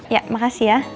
ya makasih ya